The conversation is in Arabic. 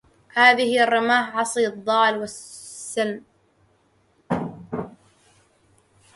هذي الرماح عصي الضال والسلم